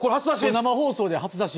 生放送で初出し？